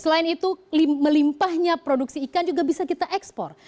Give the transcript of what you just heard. selain itu melimpahnya produksi ikan juga bisa kita ekspor